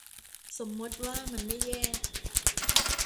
สมมติว่ามันไม่แย่